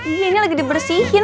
iya ini lagi dibersihin